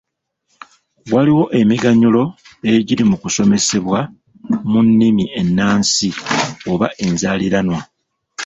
Waliwo emiganyulwo egiri mu kusomesebwa mu nnimi ennansi oba enzaaliranwa.